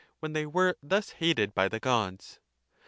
when they where thus hated by the gods.